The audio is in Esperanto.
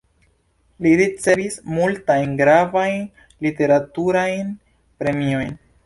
Li ricevis multajn gravajn literaturajn premiojn.